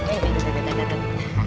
eh bentar bentar bentar